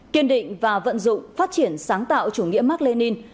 kiên định và vận dụng phát triển sáng tạo chủ nghĩa mạc lê ninh